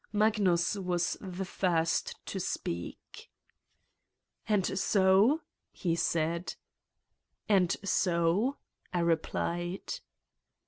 Magnus was the first to speak : "And so? "he said. "And so?" I replied.